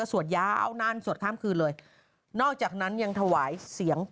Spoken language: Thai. สวดยาวนานสวดข้ามคืนเลยนอกจากนั้นยังถวายเสียง